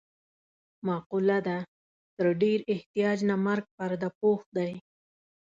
مقوله ده: تر ډېر احتیاج نه مرګ پرده پوښ دی.